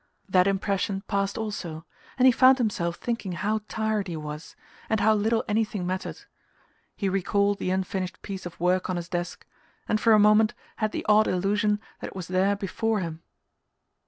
That impression passed also, and he found himself thinking how tired he was and how little anything mattered. He recalled the unfinished piece of work on his desk, and for a moment had the odd illusion that it was there before him...